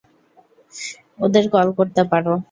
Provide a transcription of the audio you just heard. ওদের কল করতে পারো।